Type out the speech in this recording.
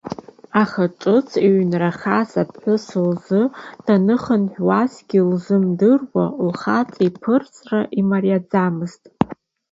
Аха ҿыц иҩнрахаз аԥҳәыс лзы даныхынҳәуагьы лызмдыруа лхаҵа иԥырҵра имариаӡамызт.